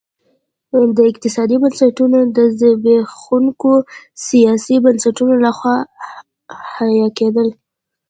دا اقتصادي بنسټونه د زبېښونکو سیاسي بنسټونو لخوا حیه کېدل.